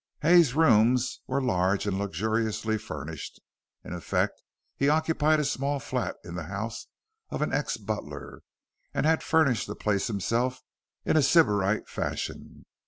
Hay's rooms were large and luxuriously furnished. In effect, he occupied a small flat in the house of an ex butler, and had furnished the place himself in a Sybarite fashion.